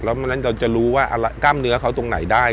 แล้วเราก็จะรู้ว่ากล้ามเนื้อเขาตรงไหนได้